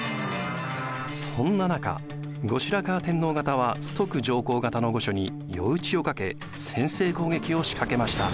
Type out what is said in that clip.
そんな中後白河天皇方は崇徳上皇方の御所に夜討ちをかけ先制攻撃を仕掛けました。